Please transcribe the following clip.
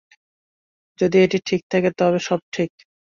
যদি ঐটি ঠিক থাকে, তবে সব ঠিক।